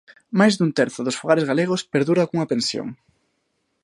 Máis dun terzo dos fogares galegos perdura cunha pensión.